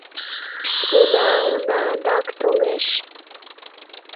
Уна, уна, адак толеш!..